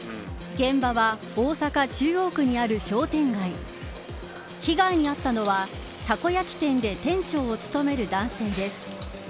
現場は大阪・中央区にある商店街被害に遭ったのはたこ焼き店で店長を務める男性です。